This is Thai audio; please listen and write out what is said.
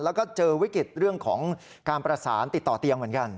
แล้วก็เจอวิกฤตเรื่องของการประสานติดต่อเตียงเหมือนกัน